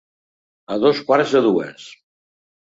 A dos quarts de dues.